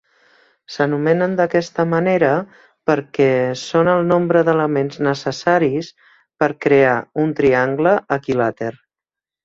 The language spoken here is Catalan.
S'anomenen d'aquesta manera perquè són el nombre d'elements necessaris per crear un triangle equilàter.